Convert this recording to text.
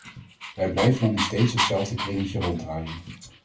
We blijven dan in steeds hetzelfde kringetje ronddraaien.